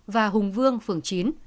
và hùng vương phường chín